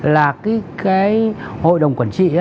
là cái hội đồng quản trị